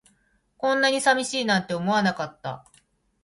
こんなに寂しいなんて思わなかった